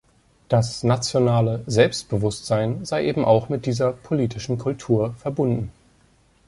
Das nationale „Selbstbewusstsein“ sei eben auch mit dieser „politischen Kultur“ verbunden.